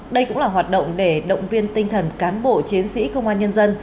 đây cũng là hoạt động để động viên tinh thần cán bộ chiến sĩ công an nhân dân